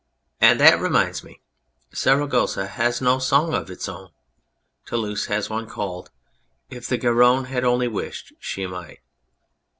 And that reminds me. Saragossa has no song of its own ; Toulouse has one called " If the Garonne had only wished, she might.